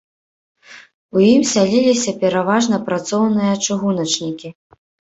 У ім сяліліся пераважна працоўныя-чыгуначнікі.